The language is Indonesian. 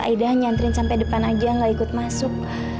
aida hanya antren sampai depan aja nggak ikut masuk